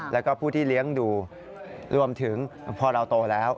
แล้วก็ผู้ที่เลี้ยงดูรวมถึงพอเราโตแล้ว